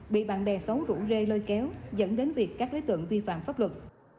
bị bạn đè xấu rũ rê lôi kéo dẫn đến việc các đối tượng vi phạm pháp luật